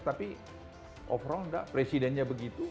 tapi overall tidak presidennya begitu